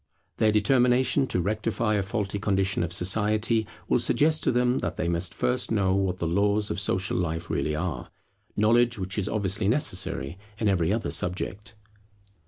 Their determination to rectify a faulty condition of society will suggest to them that they must first know what the laws of Social life really are; knowledge which is obviously necessary in every other subject.